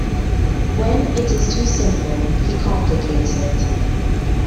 When it is too simple, he complicates it.